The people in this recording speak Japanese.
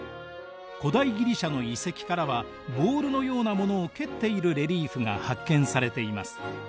古代ギリシャの遺跡からはボールのようなものを蹴っているレリーフが発見されています。